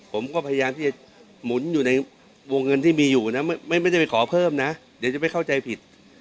ผมก็พยายามที่จะหมุนอยู่ในวงเงินที่มีอยู่นะไม่ได้ไปขอเพิ่มนะเดี๋ยวจะไม่เข้าใจผิด